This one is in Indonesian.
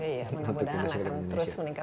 iya mudah mudahan akan terus meningkat